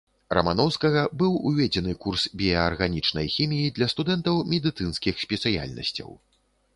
Раманоўскага быў уведзены курс біяарганічнай хіміі для студэнтаў медыцынскіх спецыяльнасцяў.